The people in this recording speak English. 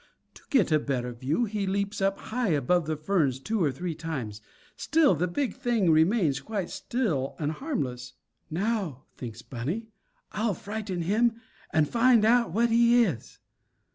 To get a better view he leaps up high above the ferns two or three times. Still the big thing remains quite still and harmless. "Now," thinks Bunny, "I'll frighten him, and find out what he is."